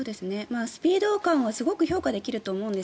スピード感はすごく評価できると思うんです。